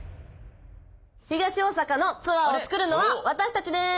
東大阪のツアーを作るのは私たちです！